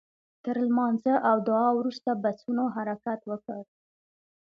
تر لمانځه او دعا وروسته بسونو حرکت وکړ.